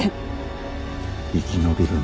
生き延びろ。